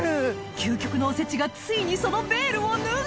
究極のおせちがついにそのベールを脱ぐ